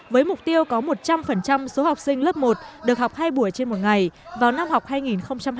với mục tiêu có một trăm linh số học sinh lớp một được học hai buổi trên một ngày vào năm học hai nghìn hai mươi hai nghìn hai mươi